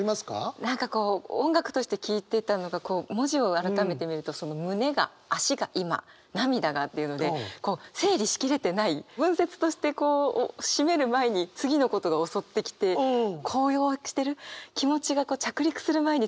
何かこう音楽として聴いてたのがこう文字を改めて見るとその「胸が」「足が今」「涙が」っていうのでこう整理し切れてない文節として締める前に次のことが襲ってきて高揚してる。